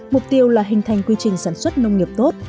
mục tiêu là hình thành quy trình sản xuất nông nghiệp tốt